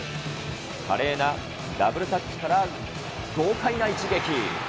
華麗なダブルタッチから豪快な一撃。